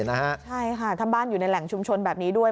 ใช่ค่ะทำบ้านอยู่ในแหล่งชุมชนแบบนี้ด้วย